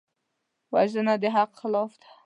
وژنه د حق خلاف ده